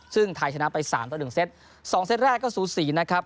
ซึ่งไทยชนะไป๓ต่อ๑เซต๒เซตแรกก็สูสีนะครับ